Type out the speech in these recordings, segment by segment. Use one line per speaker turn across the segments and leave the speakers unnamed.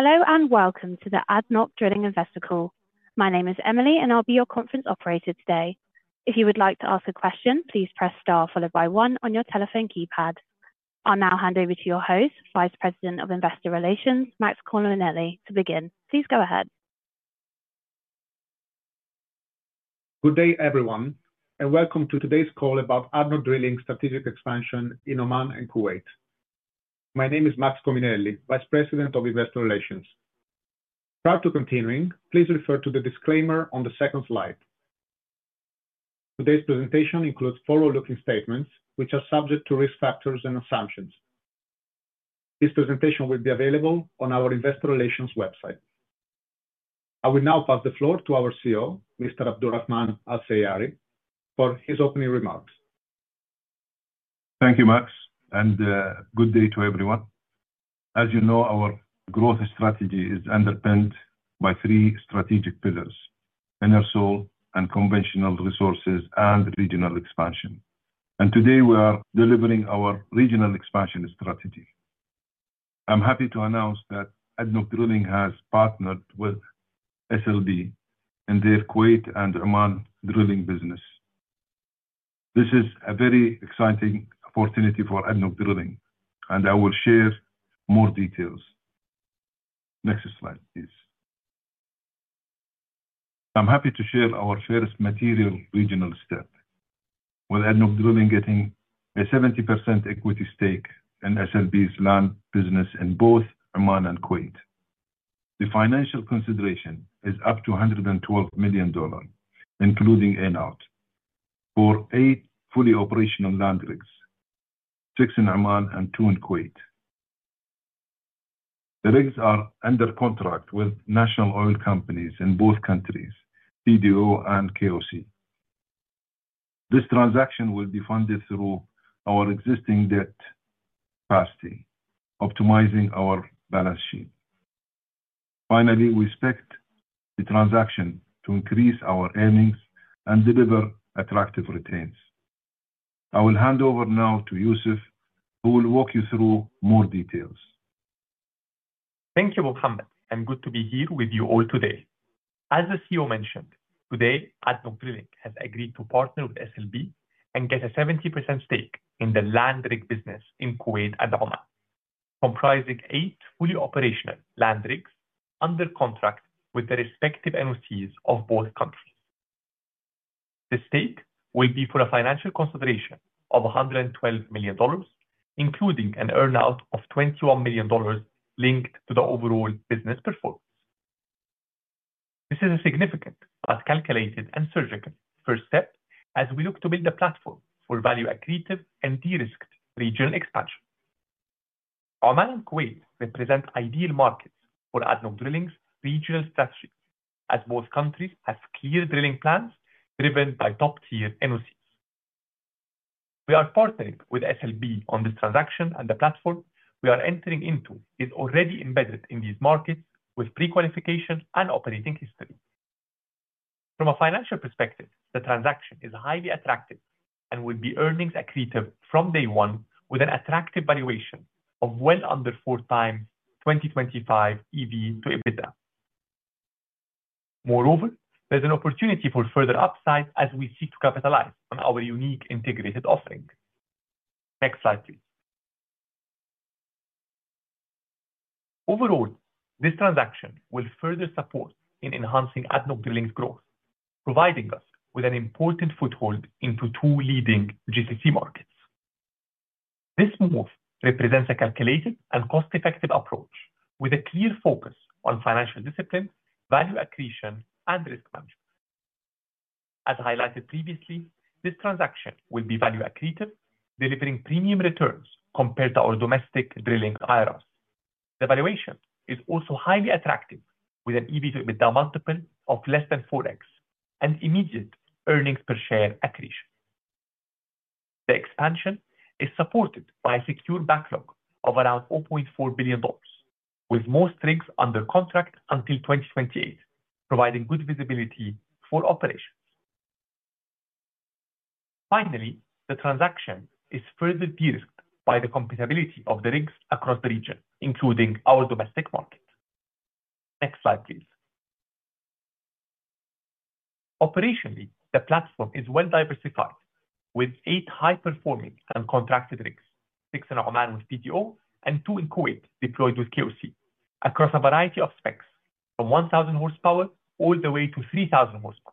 Hello and welcome to the ADNOC Drilling Investor Call. My name is Emily, and I'll be your conference operator today. If you would like to ask a question, please press star followed by one on your telephone keypad. I'll now hand over to your host, Vice President of Investor Relations, Max Cominelli, to begin. Please go ahead.
Good day, everyone, and welcome to today's call about ADNOC Drilling Strategic Expansion in Oman and Kuwait. My name is Max Cominelli, Vice President of Investor Relations. Prior to continuing, please refer to the disclaimer on the second slide. Today's presentation includes forward-looking statements, which are subject to risk factors and assumptions. This presentation will be available on our Investor Relations website. I will now pass the floor to our CEO, Mr. Abdulrahman Al Seiari, for his opening remarks.
Thank you, Max, and good day to everyone. As you know, our growth strategy is underpinned by three strategic pillars: inner soul and conventional resources and regional expansion. Today, we are delivering our regional expansion strategy. I'm happy to announce that ADNOC Drilling has partnered with SLB in their Kuwait and Oman drilling business. This is a very exciting opportunity for ADNOC Drilling, and I will share more details. Next slide, please. I'm happy to share our first material regional step, with ADNOC Drilling getting a 70% equity stake in SLB's land business in both Oman and Kuwait. The financial consideration is up to $112 million, including earnout, for eight fully operational land rigs, six in Oman and two in Kuwait. The rigs are under contract with national oil companies in both countries, PDO and KOC. This transaction will be funded through our existing debt capacity, optimizing our balance sheet. Finally, we expect the transaction to increase our earnings and deliver attractive returns. I will hand over now to Youssef, who will walk you through more details.
Thank you, Mohammed, and good to be here with you all today. As the CEO mentioned, today, ADNOC Drilling has agreed to partner with SLB and get a 70% stake in the land rig business in Kuwait and Oman, comprising eight fully operational land rigs under contract with the respective NOCs of both countries. The stake will be for a financial consideration of $112 million, including an earnout of $21 million linked to the overall business performance. This is a significant but calculated and surgical first step as we look to build a platform for value-accretive and de-risked regional expansion. Oman and Kuwait represent ideal markets for ADNOC Drilling's regional strategy, as both countries have clear drilling plans driven by top-tier NOCs. We are partnering with SLB on this transaction, and the platform we are entering into is already embedded in these markets with pre-qualification and operating history. From a financial perspective, the transaction is highly attractive and will be earnings-accretive from day one, with an attractive valuation of well under four times 2025 EV to EBITDA. Moreover, there's an opportunity for further upside as we seek to capitalize on our unique integrated offering. Next slide, please. Overall, this transaction will further support in enhancing ADNOC Drilling's growth, providing us with an important foothold into two leading GCC markets. This move represents a calculated and cost-effective approach with a clear focus on financial discipline, value accretion, and risk management. As highlighted previously, this transaction will be value-accretive, delivering premium returns compared to our domestic drilling IRRs. The valuation is also highly attractive, with an EV to EBITDA multiple of less than 4x and immediate earnings per share accretion. The expansion is supported by a secure backlog of around $4.4 billion, with most rigs under contract until 2028, providing good visibility for operations. Finally, the transaction is further de-risked by the compatibility of the rigs across the region, including our domestic market. Next slide, please. Operationally, the platform is well-diversified, with eight high-performing and contracted rigs, six in Oman with PDO and two in Kuwait deployed with KOC, across a variety of specs from 1,000 horsepower all the way to 3,000 horsepower.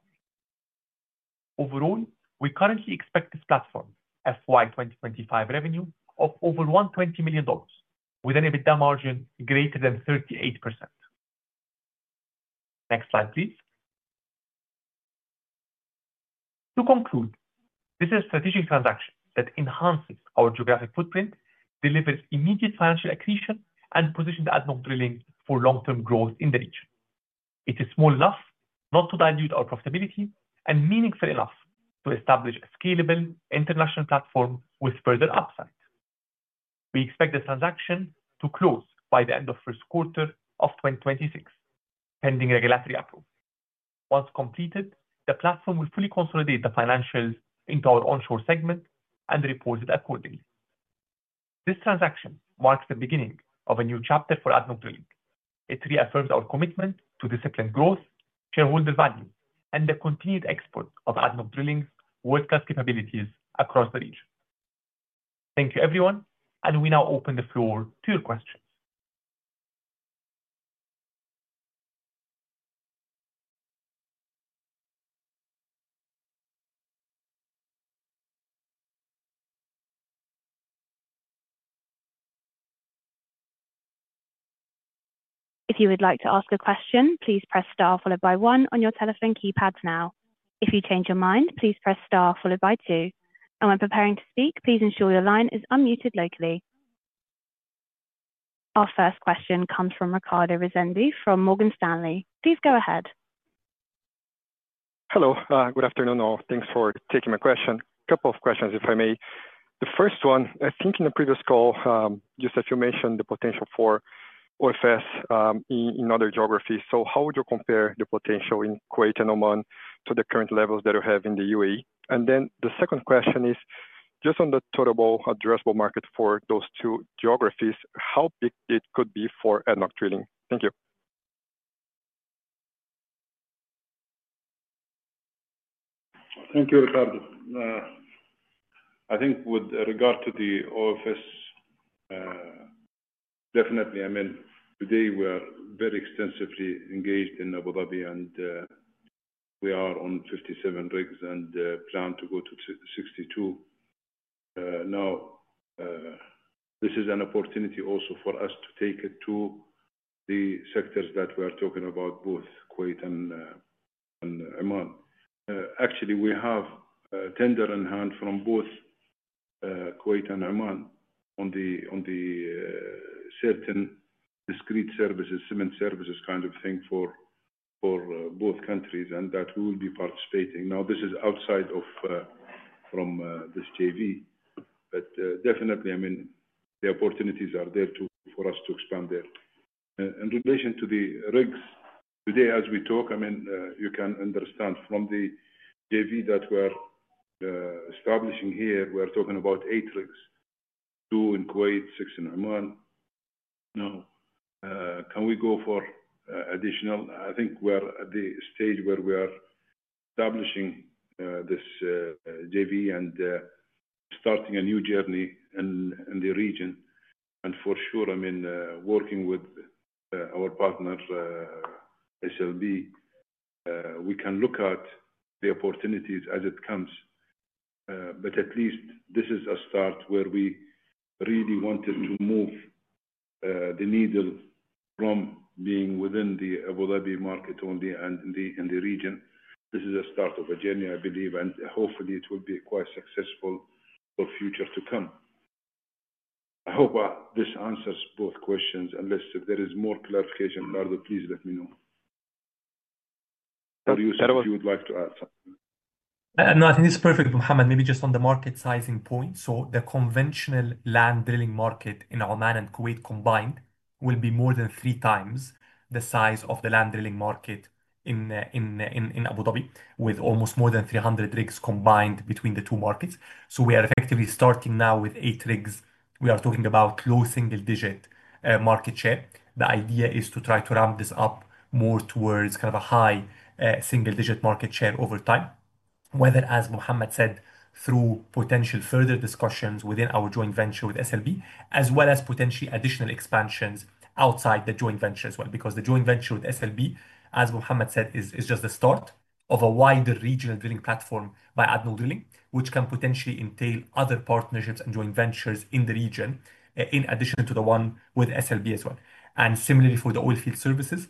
Overall, we currently expect this platform FY 2025 revenue of over $120 million, with an EBITDA margin greater than 38%. Next slide, please. To conclude, this is a strategic transaction that enhances our geographic footprint, delivers immediate financial accretion, and positions ADNOC Drilling for long-term growth in the region. It's small enough not to dilute our profitability and meaningful enough to establish a scalable international platform with further upside. We expect the transaction to close by the end of the first quarter of 2026, pending regulatory approval. Once completed, the platform will fully consolidate the financials into our onshore segment and report it accordingly. This transaction marks the beginning of a new chapter for ADNOC Drilling. It reaffirms our commitment to disciplined growth, shareholder value, and the continued export of ADNOC Drilling's world-class capabilities across the region. Thank you, everyone, and we now open the floor to your questions.
If you would like to ask a question, please press star followed by one on your telephone keypad now. If you change your mind, please press star followed by two. When preparing to speak, please ensure your line is unmuted locally. Our first question comes from Ricardo Rezende from Morgan Stanley. Please go ahead.
Hello. Good afternoon all. Thanks for taking my question. A couple of questions, if I may. The first one, I think in the previous call, Youssef, you mentioned the potential for OFS in other geographies. How would you compare the potential in Kuwait and Oman to the current levels that you have in the UAE? The second question is, just on the total addressable market for those two geographies, how big it could be for ADNOC Drilling? Thank you.
Thank you, Ricardo. I think with regard to the OFS, definitely, I mean, today we are very extensively engaged in Abu Dhabi, and we are on 57 rigs and plan to go to 62. Now, this is an opportunity also for us to take it to the sectors that we are talking about, both Kuwait and Oman. Actually, we have a tender in hand from both Kuwait and Oman on the certain discrete services, cementing services kind of thing for both countries, and that we will be participating. Now, this is outside of this JV, but definitely, I mean, the opportunities are there for us to expand there. In relation to the rigs, today, as we talk, I mean, you can understand from the JV that we are establishing here, we are talking about eight rigs: two in Kuwait, six in Oman. Now, can we go for additional? I think we are at the stage where we are establishing this JV and starting a new journey in the region. For sure, I mean, working with our partner, SLB, we can look at the opportunities as it comes. At least this is a start where we really wanted to move the needle from being within the Abu Dhabi market only and in the region. This is a start of a journey, I believe, and hopefully, it will be quite successful for the future to come. I hope this answers both questions. Unless if there is more clarification, Ricardo, please let me know. Or Youssef, if you would like to add something.
No, I think this is perfect, Mohammed. Maybe just on the market sizing point. The conventional land drilling market in Oman and Kuwait combined will be more than three times the size of the land drilling market in Abu Dhabi, with almost more than 300 rigs combined between the two markets. We are effectively starting now with eight rigs. We are talking about low single-digit market share. The idea is to try to ramp this up more towards kind of a high single-digit market share over time, whether, as Mohammed said, through potential further discussions within our joint venture with SLB, as well as potentially additional expansions outside the joint venture as well. Because the joint venture with SLB, as Mohammed said, is just the start of a wider regional drilling platform by ADNOC Drilling, which can potentially entail other partnerships and joint ventures in the region, in addition to the one with SLB as well. Similarly for the oilfield services,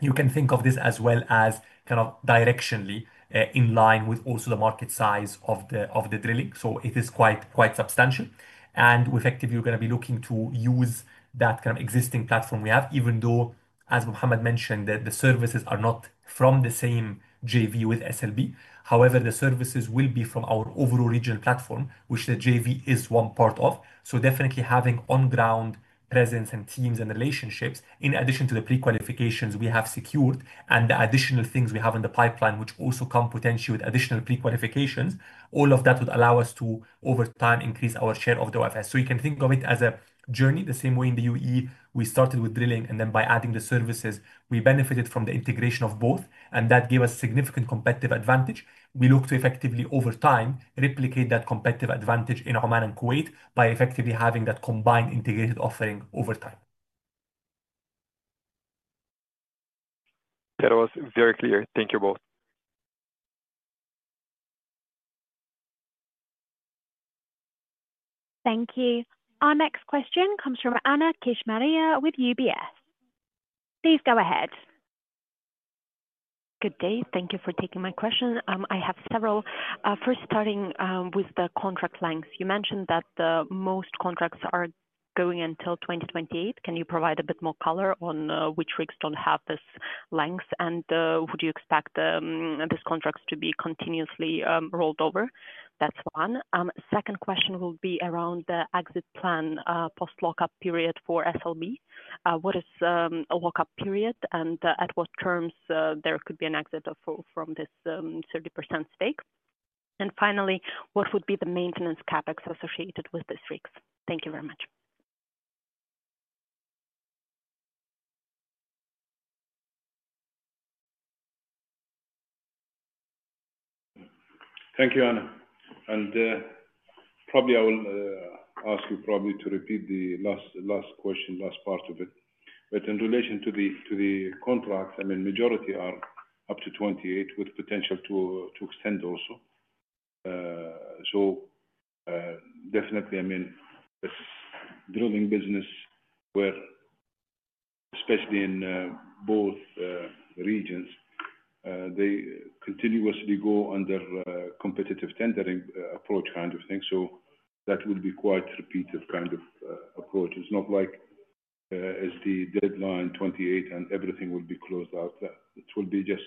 you can think of this as well as kind of directionally in line with also the market size of the drilling. It is quite substantial. Effectively, we're going to be looking to use that kind of existing platform we have, even though, as Mohammed mentioned, the services are not from the same joint venture with SLB. However, the services will be from our overall regional platform, which the joint venture is one part of. Definitely having on-ground presence and teams and relationships, in addition to the pre-qualifications we have secured and the additional things we have in the pipeline, which also come potentially with additional pre-qualifications, all of that would allow us to, over time, increase our share of the OFS. You can think of it as a journey. The same way in the UAE, we started with drilling, and then by adding the services, we benefited from the integration of both, and that gave us significant competitive advantage. We look to effectively, over time, replicate that competitive advantage in Oman and Kuwait by effectively having that combined integrated offering over time.
That was very clear. Thank you both.
Thank you. Our next question comes from Anna Kishmariya with UBS. Please go ahead.
Good day. Thank you for taking my question. I have several. First, starting with the contract lengths, you mentioned that most contracts are going until 2028. Can you provide a bit more color on which rigs do not have this length? And would you expect these contracts to be continuously rolled over? That is one. Second question will be around the exit plan post-lockup period for SLB. What is a lockup period, and at what terms there could be an exit from this 30% stake? And finally, what would be the maintenance CapEx associated with these rigs? Thank you very much.
Thank you, Anna. I will ask you probably to repeat the last question, last part of it. In relation to the contracts, the majority are up to 2028 with potential to extend also. Definitely, this drilling business, especially in both regions, they continuously go under competitive tendering approach kind of thing. That will be quite repeated kind of approach. It's not like it's the deadline 2028 and everything will be closed out. It will be just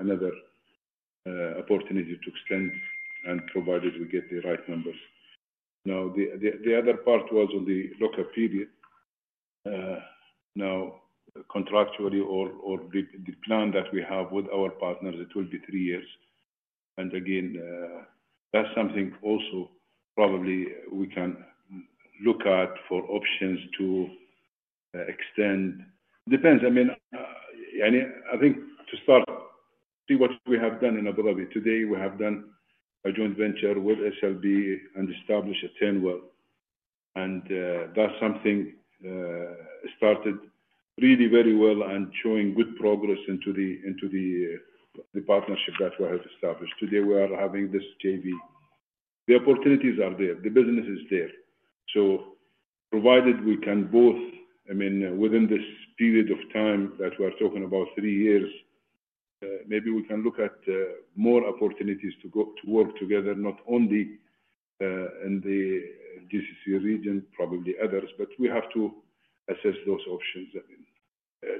another opportunity to extend, provided we get the right numbers. The other part was on the lockup period. Contractually or the plan that we have with our partners, it will be three years. Again, that's something also probably we can look at for options to extend. Depends. I think to start, see what we have done in Abu Dhabi. Today, we have done a joint venture with SLB and established a tenure. That started really very well and is showing good progress into the partnership that we have established. Today, we are having this JV. The opportunities are there. The business is there. Provided we can both, I mean, within this period of time that we are talking about three years, maybe we can look at more opportunities to work together, not only in the GCC region, probably others, but we have to assess those options.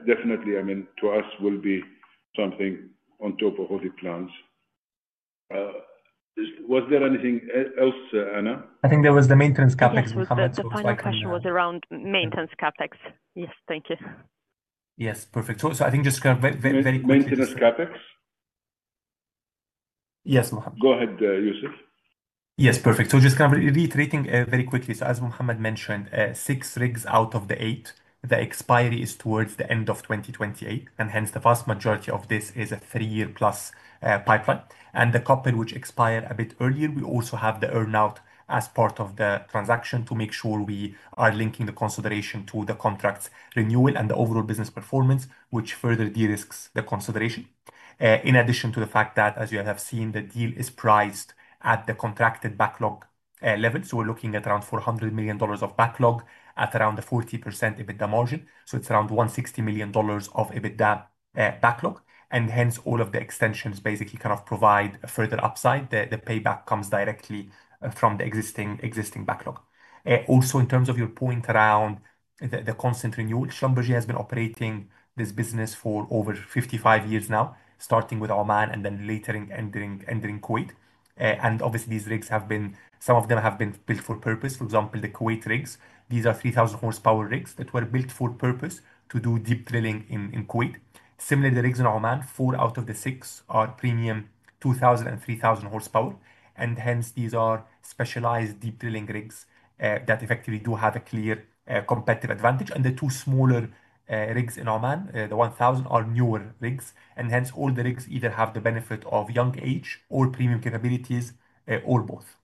Definitely, I mean, to us, will be something on top of all the plans. Was there anything else, Anna?
I think there was the maintenance CapEx, Mohammed.
My question was around maintenance CapEx. Yes, thank you.
Yes, perfect. I think just very quickly.
Maintenance capex?
Yes, Mohammed.
Go ahead, Youssef.
Yes, perfect. Just kind of reiterating very quickly. As Mohammed mentioned, six rigs out of the eight, the expiry is towards the end of 2028. Hence, the vast majority of this is a three-year-plus pipeline. The couple which expire a bit earlier, we also have the earnout as part of the transaction to make sure we are linking the consideration to the contract renewal and the overall business performance, which further de-risks the consideration. In addition to the fact that, as you have seen, the deal is priced at the contracted backlog level. We are looking at around $400 million of backlog at around the 40% EBITDA margin. It is around $160 million of EBITDA backlog. Hence, all of the extensions basically provide further upside. The payback comes directly from the existing backlog. Also, in terms of your point around the constant renewal, SLB has been operating this business for over 55 years now, starting with Oman and then later entering Kuwait. Obviously, these rigs have been, some of them have been built for purpose. For example, the Kuwait rigs, these are 3,000 horsepower rigs that were built for purpose to do deep drilling in Kuwait. Similarly, the rigs in Oman, four out of the six are premium 2,000 and 3,000 horsepower. Hence, these are specialized deep drilling rigs that effectively do have a clear competitive advantage. The two smaller rigs in Oman, the 1,000, are newer rigs. Hence, all the rigs either have the benefit of young age or premium capabilities or both.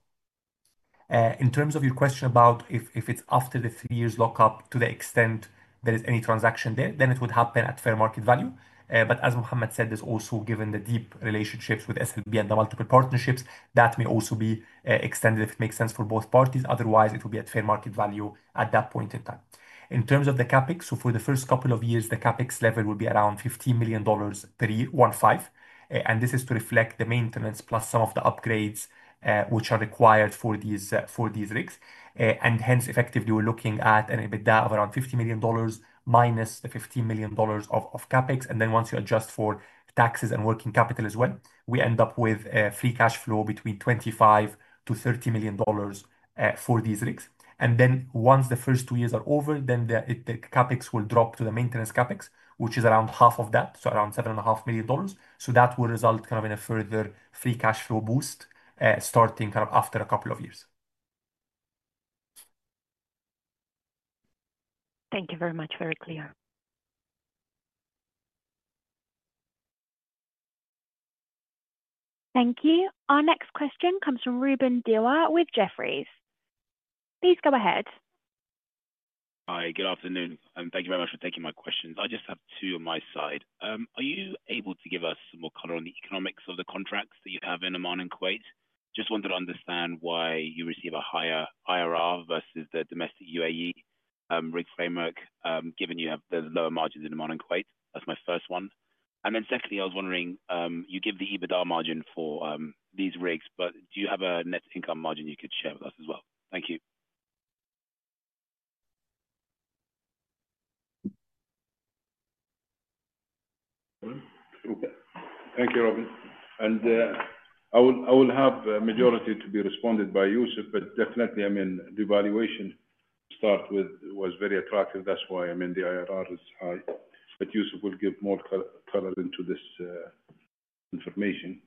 In terms of your question about if it's after the three-year lockup, to the extent there is any transaction there, then it would happen at fair market value. As Mohammed said, there's also, given the deep relationships with SLB and the multiple partnerships, that may also be extended if it makes sense for both parties. Otherwise, it will be at fair market value at that point in time. In terms of the capex, for the first couple of years, the capex level will be around $15 million per year, one-five. This is to reflect the maintenance plus some of the upgrades which are required for these rigs. Hence, effectively, we're looking at an EBITDA of around $50 million minus the $15 million of capex. Once you adjust for taxes and working capital as well, we end up with free cash flow between $25-$30 million for these rigs. Once the first two years are over, the CapEx will drop to the maintenance CapEx, which is around half of that, so around $7.5 million. That will result kind of in a further free cash flow boost starting kind of after a couple of years.
Thank you very much, very clear.
Thank you. Our next question comes from Ruben Dewa with Jefferies. Please go ahead.
Hi, good afternoon. Thank you very much for taking my questions. I just have two on my side. Are you able to give us some more color on the economics of the contracts that you have in Oman and Kuwait? I just wanted to understand why you receive a higher IRR versus the domestic UAE rig framework, given you have the lower margins in Oman and Kuwait. That is my first one. Then secondly, I was wondering, you give the EBITDA margin for these rigs, but do you have a net income margin you could share with us as well? Thank you.
Thank you, Ruben. I will have majority to be responded by Youssef, but definitely, I mean, the evaluation start was very attractive. That is why, I mean, the IRR is high. Youssef will give more color into this information.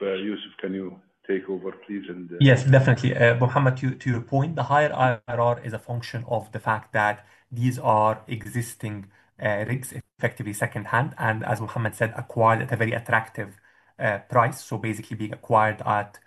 Youssef, can you take over, please?
Yes, definitely. Mohammed, to your point, the higher IRR is a function of the fact that these are existing rigs, effectively secondhand, and as Mohammed said, acquired at a very attractive price. Basically being acquired at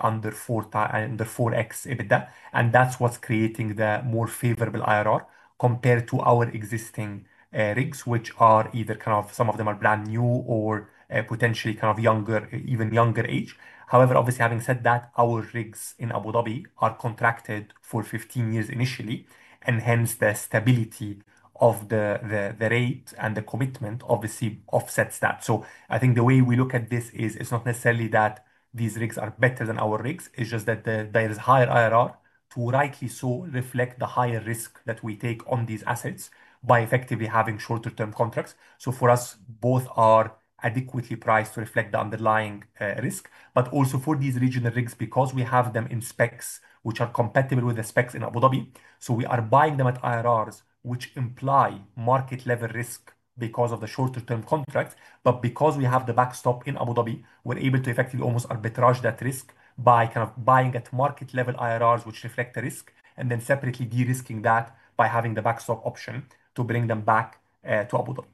under 4x EBITDA. That is what is creating the more favorable IRR compared to our existing rigs, which are either kind of some of them are brand new or potentially kind of younger, even younger age. However, obviously, having said that, our rigs in Abu Dhabi are contracted for 15 years initially, and hence the stability of the rate and the commitment obviously offsets that. I think the way we look at this is it is not necessarily that these rigs are better than our rigs. It is just that there is a higher IRR to rightly so reflect the higher risk that we take on these assets by effectively having shorter-term contracts. For us, both are adequately priced to reflect the underlying risk. Also, for these regional rigs, because we have them in specs which are compatible with the specs in Abu Dhabi, we are buying them at IRRs which imply market-level risk because of the shorter-term contracts. Because we have the backstop in Abu Dhabi, we're able to effectively almost arbitrage that risk by kind of buying at market-level IRRs which reflect the risk, and then separately de-risking that by having the backstop option to bring them back to Abu Dhabi.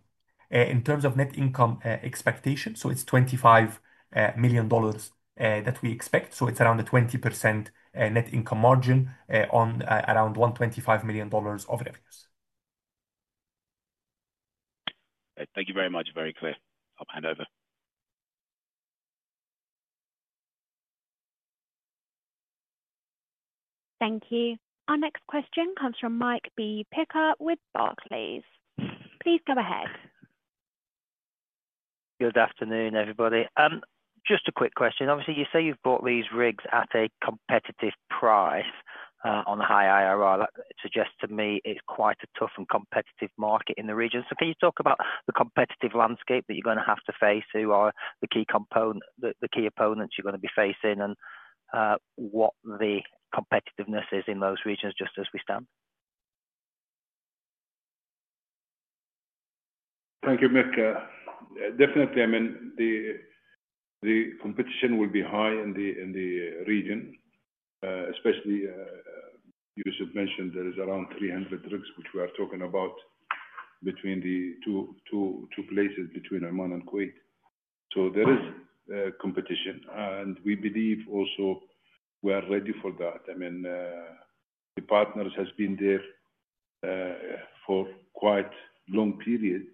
In terms of net income expectation, it's $25 million that we expect. It's around a 20% net income margin on around $125 million of revenues.
Thank you very much. Very clear. I'll hand over.
Thank you. Our next question comes from Mike B Picker with Barclays. Please go ahead.
Good afternoon, everybody. Just a quick question. Obviously, you say you've bought these rigs at a competitive price on a high IRR. That suggests to me it's quite a tough and competitive market in the region. Can you talk about the competitive landscape that you're going to have to face? Who are the key opponents you're going to be facing and what the competitiveness is in those regions just as we stand?
Thank you, Mike. Definitely, I mean, the competition will be high in the region, especially Youssef mentioned there is around 300 rigs which we are talking about between the two places, between Oman and Kuwait. There is competition. We believe also we are ready for that. I mean, the partners have been there for quite a long period.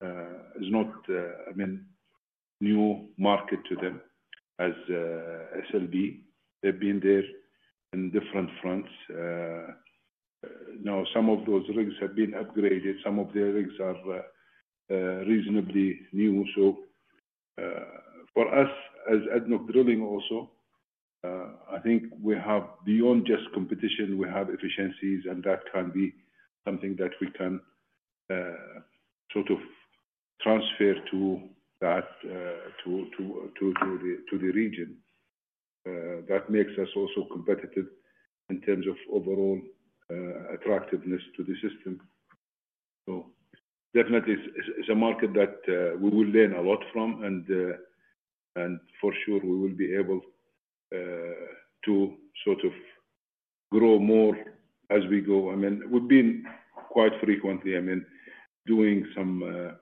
It is not, I mean, a new market to them as SLB. They have been there in different fronts. Now, some of those rigs have been upgraded. Some of the rigs are reasonably new. For us as ADNOC Drilling also, I think we have beyond just competition, we have efficiencies, and that can be something that we can sort of transfer to the region. That makes us also competitive in terms of overall attractiveness to the system. Definitely, it is a market that we will learn a lot from. For sure, we will be able to sort of grow more as we go. I mean, we've been quite frequently doing some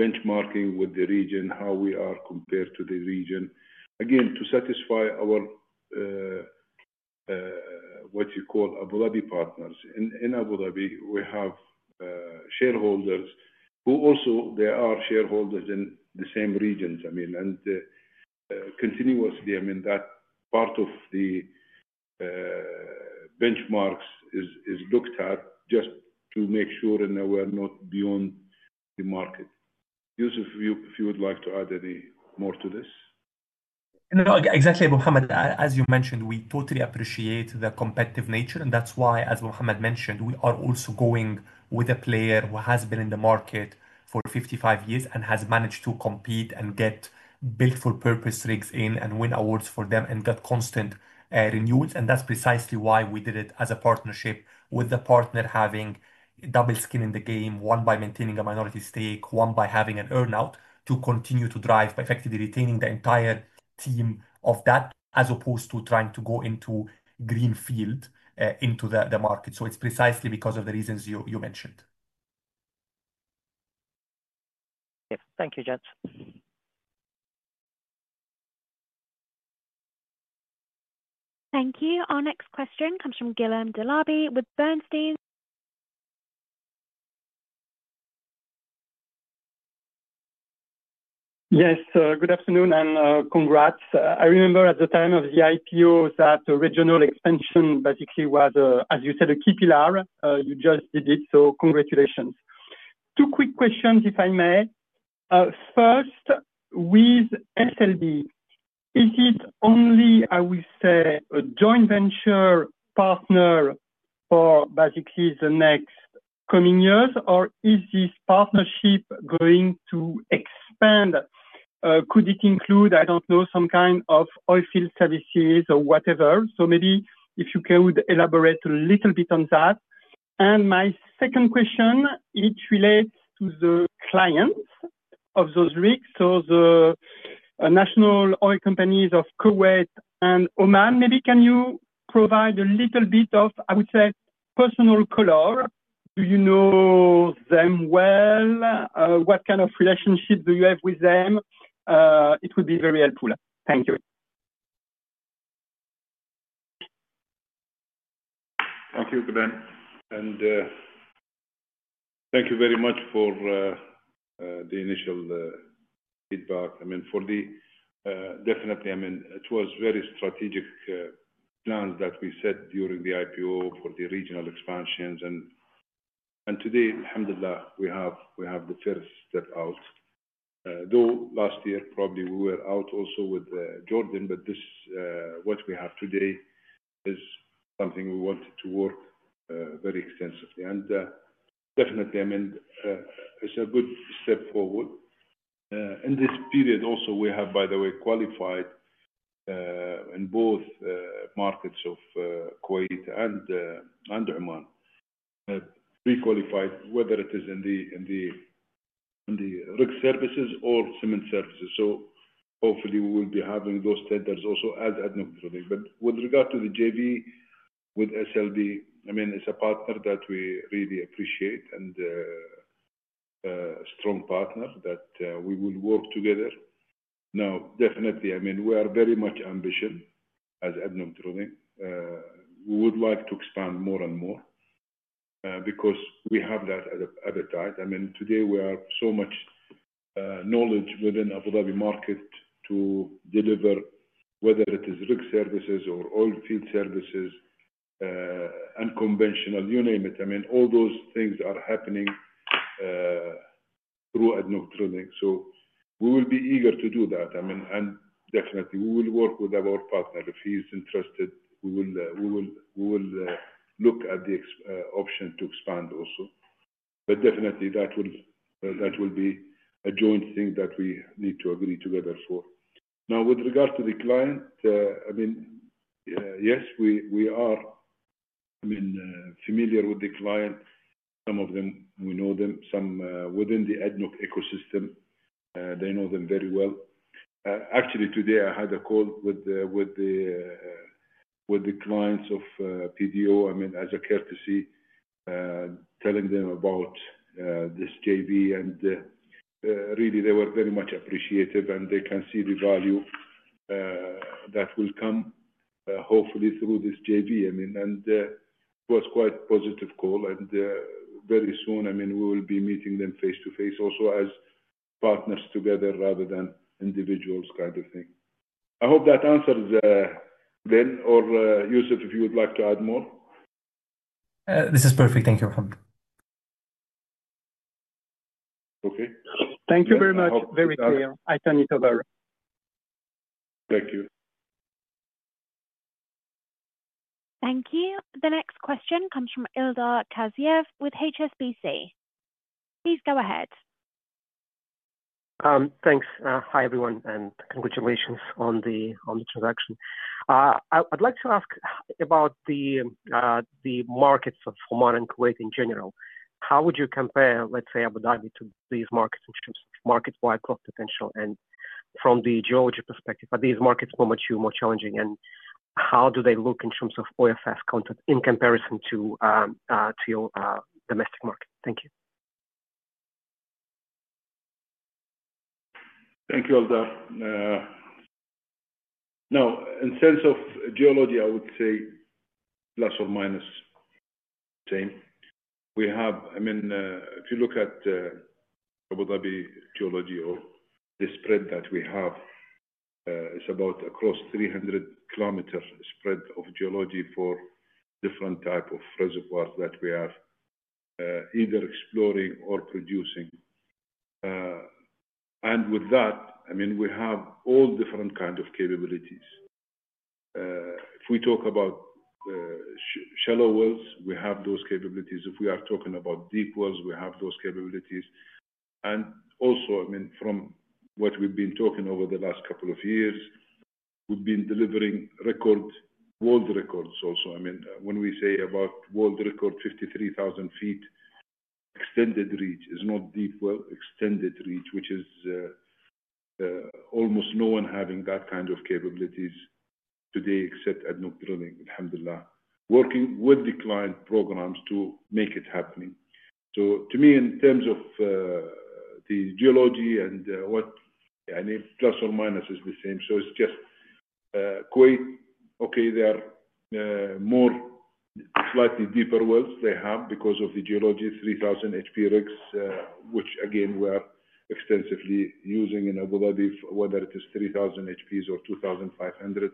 benchmarking with the region, how we are compared to the region. Again, to satisfy our, what you call, Abu Dhabi partners. In Abu Dhabi, we have shareholders who also, they are shareholders in the same regions, I mean. Continuously, that part of the benchmarks is looked at just to make sure we are not beyond the market. Youssef, if you would like to add any more to this.
Exactly, Mohammed. As you mentioned, we totally appreciate the competitive nature. That is why, as Mohammed mentioned, we are also going with a player who has been in the market for 55 years and has managed to compete and get built-for-purpose rigs in and win awards for them and get constant renewals. That is precisely why we did it as a partnership with the partner having double skin in the game, one by maintaining a minority stake, one by having an earn-out to continue to drive by effectively retaining the entire team of that as opposed to trying to go into greenfield into the market. It is precisely because of the reasons you mentioned.
Thank you, gents.
Thank you. Our next question comes from Guillaume Delaby with Bernstein.
Yes, good afternoon and congrats. I remember at the time of the IPO that regional expansion basically was, as you said, a key pillar. You just did it. So congratulations. Two quick questions, if I may. First, with SLB, is it only, I will say, a joint venture partner for basically the next coming years, or is this partnership going to expand? Could it include, I do not know, some kind of oilfield services or whatever? Maybe if you could elaborate a little bit on that. My second question, it relates to the clients of those rigs, so the national oil companies of Kuwait and Oman. Maybe can you provide a little bit of, I would say, personal color? Do you know them well? What kind of relationship do you have with them? It would be very helpful. Thank you.
Thank you, Guillaume. Thank you very much for the initial feedback. I mean, definitely, it was very strategic plans that we set during the IPO for the regional expansions. Today, Alhamdulillah, we have the first step out. Though last year, probably we were out also with Jordan, but this, what we have today, is something we wanted to work very extensively. Definitely, I mean, it is a good step forward. In this period also, we have, by the way, qualified in both markets of Kuwait and Oman, pre-qualified, whether it is in the rig services or cement services. Hopefully, we will be having those tenders also as ADNOC Drilling. With regard to the JV with SLB, I mean, it is a partner that we really appreciate and a strong partner that we will work together. Now, definitely, I mean, we are very much ambition as ADNOC Drilling. We would like to expand more and more because we have that appetite. I mean, today, we have so much knowledge within Abu Dhabi market to deliver, whether it is rig services or oilfield services, unconventional, you name it. I mean, all those things are happening through ADNOC Drilling. We will be eager to do that. I mean, and definitely, we will work with our partner. If he's interested, we will look at the option to expand also. That will be a joint thing that we need to agree together for. Now, with regard to the client, I mean, yes, we are familiar with the client. Some of them, we know them. Some within the ADNOC ecosystem, they know them very well. Actually, today, I had a call with the clients of PDO, I mean, as a courtesy, telling them about this JV. Really, they were very much appreciative, and they can see the value that will come hopefully through this JV. I mean, it was quite a positive call. Very soon, I mean, we will be meeting them face-to-face also as partners together rather than individuals kind of thing. I hope that answers then. Or Youssef, if you would like to add more.
This is perfect. Thank you, Mohammed.
Okay.
Thank you very much. Very clear. I turn it over.
Thank you.
Thank you. The next question comes from Ildar Khaziev with HSBC. Please go ahead.
Thanks. Hi, everyone, and congratulations on the transaction. I'd like to ask about the markets of Oman and Kuwait in general. How would you compare, let's say, Abu Dhabi to these markets in terms of market-wide growth potential? From the geology perspective, are these markets more mature, more challenging? How do they look in terms of oil fast content in comparison to your domestic market? Thank you.
Thank you, Ildar. Now, in terms of geology, I would say plus or minus same. I mean, if you look at Abu Dhabi geology, the spread that we have is about across 300 km spread of geology for different types of reservoirs that we are either exploring or producing. With that, I mean, we have all different kinds of capabilities. If we talk about shallow wells, we have those capabilities. If we are talking about deep wells, we have those capabilities. Also, I mean, from what we've been talking over the last couple of years, we've been delivering world records also. I mean, when we say about world record 53,000 ft extended reach, it is not deep well extended reach, which is almost no one having that kind of capabilities today except ADNOC Drilling, Alhamdulillah, working with the client programs to make it happen. To me, in terms of the geology and what I need, plus or minus is the same. It is just Kuwait, okay, they are more slightly deeper wells they have because of the geology, 3,000 HP rigs, which again, we are extensively using in Abu Dhabi, whether it is 3,000 HPs or 2,500,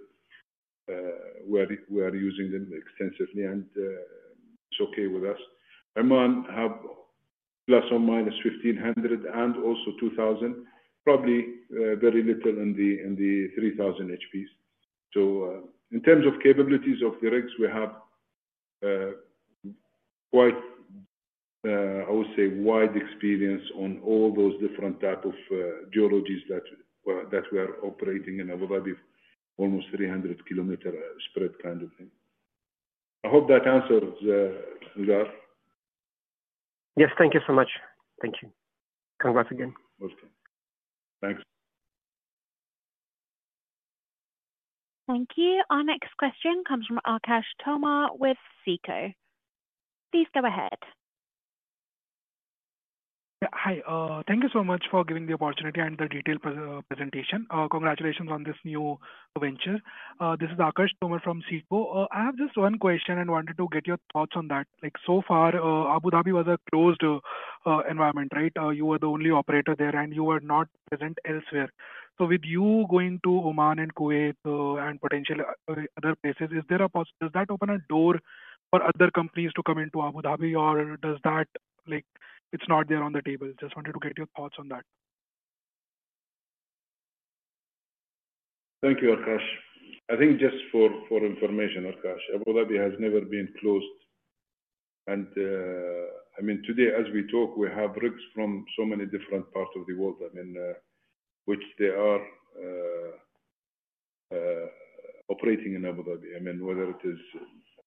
we are using them extensively, and it is okay with us. Oman have plus or minus 1,500 and also 2,000, probably very little in the 3,000 HPs. In terms of capabilities of the rigs, we have quite, I would say, wide experience on all those different types of geologies that we are operating in Abu Dhabi, almost 300 km spread kind of thing. I hope that answers that.
Yes, thank you so much. Thank you. Congrats again.
Welcome. Thanks.
Thank you. Our next question comes from Akash Tomar with CECO. Please go ahead.
Hi. Thank you so much for giving the opportunity and the detailed presentation. Congratulations on this new venture. This is Akash Tomar from CECO. I have just one question and wanted to get your thoughts on that. So far, Abu Dhabi was a closed environment, right? You were the only operator there, and you were not present elsewhere. With you going to Oman and Kuwait and potentially other places, does that open a door for other companies to come into Abu Dhabi, or is that not there on the table? Just wanted to get your thoughts on that.
Thank you, Akash. I think just for information, Akash, Abu Dhabi has never been closed. I mean, today, as we talk, we have rigs from so many different parts of the world, which they are operating in Abu Dhabi. I mean, whether it is,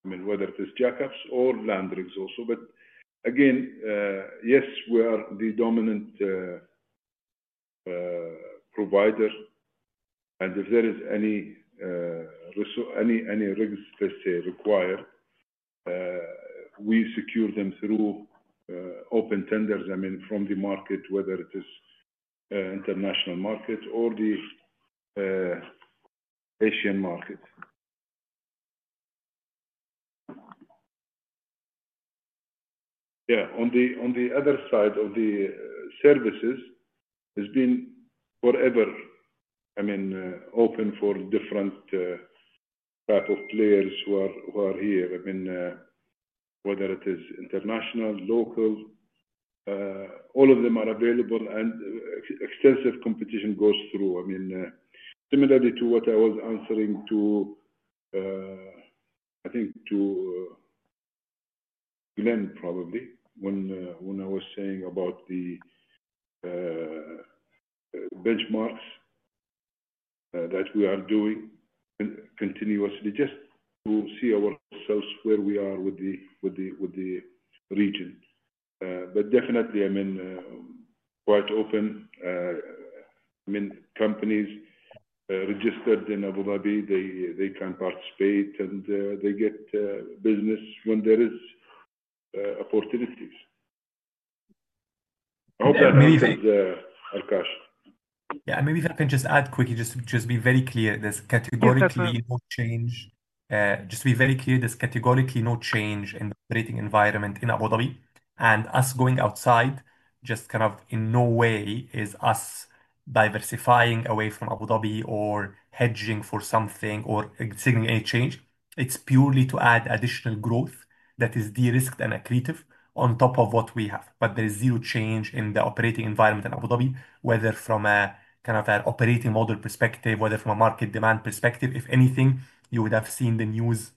I mean, whether it is jack-up rigs or land rigs also. Again, yes, we are the dominant provider. If there is any rigs, let's say, required, we secure them through open tenders from the market, whether it is international market or the Asian market. On the other side of the services, it's been forever open for different types of players who are here. I mean, whether it is international, local, all of them are available, and extensive competition goes through. I mean, similarly to what I was answering to, I think, to Guillaume probably when I was saying about the benchmarks that we are doing continuously just to see ourselves where we are with the region. But definitely, I mean, quite open. I mean, companies registered in Abu Dhabi, they can participate, and they get business when there are opportunities. I hope that answers Akash.
Yeah. Maybe if I can just add quickly, just to be very clear, there's categorically no change. Just to be very clear, there's categorically no change in the operating environment in Abu Dhabi. And us going outside just kind of in no way is us diversifying away from Abu Dhabi or hedging for something or seeking any change. It's purely to add additional growth that is de-risked and accretive on top of what we have. But there is zero change in the operating environment in Abu Dhabi, whether from a kind of an operating model perspective, whether from a market demand perspective. If anything, you would have seen the news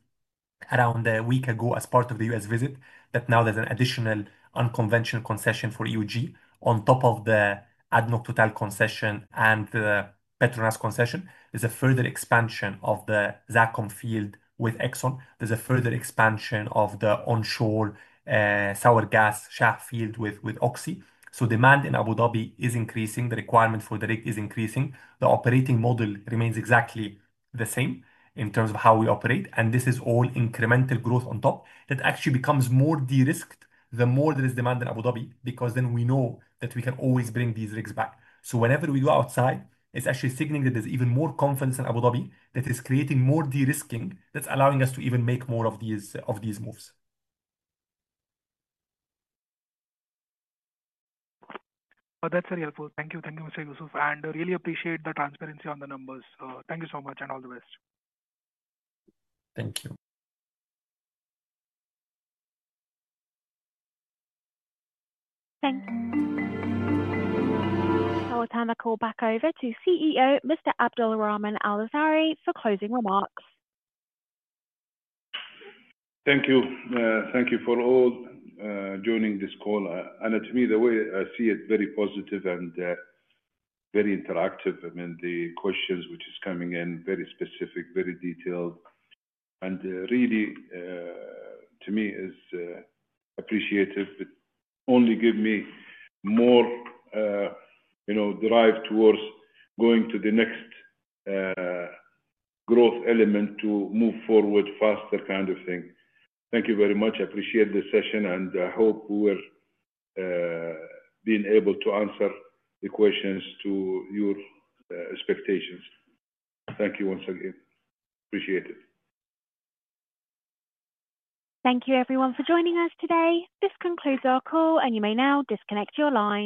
around a week ago as part of the U.S. visit that now there's an additional unconventional concession for EUG on top of the ADNOC total concession and the Petronas concession. There's a further expansion of the ZACOM field with Exxon. There's a further expansion of the onshore sour gas Shah field with OXY. Demand in Abu Dhabi is increasing. The requirement for the rig is increasing. The operating model remains exactly the same in terms of how we operate. This is all incremental growth on top that actually becomes more de-risked the more there is demand in Abu Dhabi because then we know that we can always bring these rigs back. Whenever we go outside, it's actually signaling that there's even more confidence in Abu Dhabi that is creating more de-risking that's allowing us to even make more of these moves.
Oh, that's very helpful. Thank you. Thank you, Mr. Youssef. I really appreciate the transparency on the numbers. Thank you so much and all the best.
Thank you.
Thank you. We'll turn the call back over to CEO Mr. Abdulrahman Al Seiari for closing remarks.
Thank you. Thank you for all joining this call. To me, the way I see it, very positive and very interactive. I mean, the questions which are coming in, very specific, very detailed. Really, to me, it's appreciative. It only gives me more drive towards going to the next growth element to move forward faster kind of thing. Thank you very much. I appreciate the session, and I hope we were being able to answer the questions to your expectations. Thank you once again. Appreciate it.
Thank you, everyone, for joining us today. This concludes our call, and you may now disconnect your line.